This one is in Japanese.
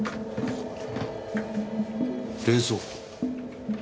冷蔵庫？